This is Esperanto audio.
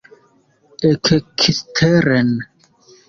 Ekeksteren!